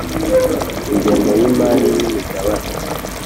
Ingengo y’imari n imigabane.